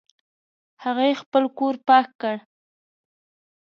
هغې خپل کور پاک کړ